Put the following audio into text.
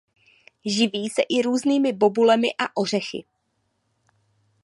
Živí se i různými bobulemi a ořechy.